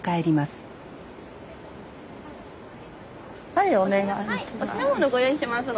はいお願いします。